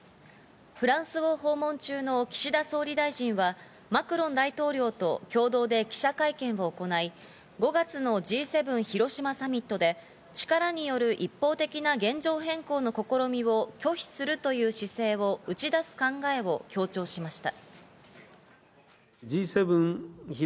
フランスを訪問中の岸田総理大臣はマクロン大統領と共同で記者会見を行い、５月のＧ７広島サミットで、力による一方的な現状変更の試みを拒否するという姿勢を打ち出す考えを強調しました。